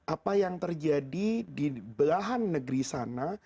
apa yang terjadi di belahan negeri sana